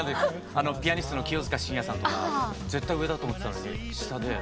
あのピアニストの清塚信也さんとか絶対上だと思ってたのに下で。